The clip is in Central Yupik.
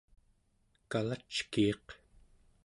kalackiiq